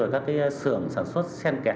các sưởng sản xuất sen kẹt